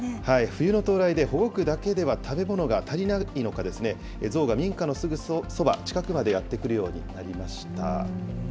冬の到来で保護区だけでは食べ物が足りないのか、ゾウが民家のすぐそば、近くまでやって来るようになりました。